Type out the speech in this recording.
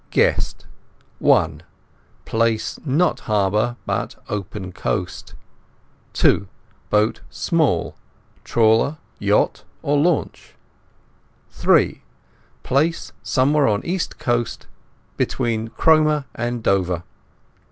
GUESSED. (1) Place not harbour but open coast. (2) Boat small—trawler, yacht, or launch. (3) Place somewhere on East Coast between Cromer and Dover.